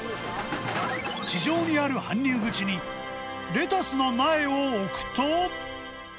地上にある搬入口にレタスの苗を置くと。